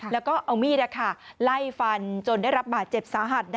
แล้วก็เอามีดไล่ฟันจนได้รับบาดเจ็บสาหัส